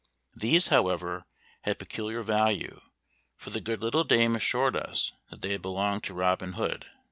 These, however, had peculiar value, for the good little dame assured us that they had belonged to Robin Hood.